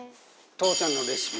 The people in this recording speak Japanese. とーちゃんのレシピ。